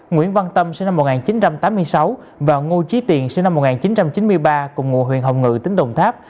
nguyễn văn tâm sinh năm một nghìn chín trăm tám mươi sáu và ngô trí tiền sinh năm một nghìn chín trăm chín mươi ba cùng ngụ huyện hồng ngự tỉnh đồng tháp